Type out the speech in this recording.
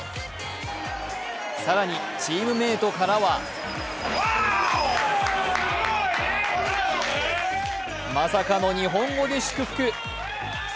更に、チームメートからはまさかの日本語で祝福。